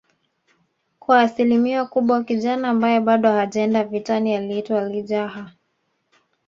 kwa asilimia kubwa kijana ambaye bado hajaenda vitani aliitwa lijaha